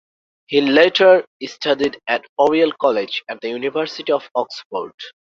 He later studied at Oriel College at the University of Oxford.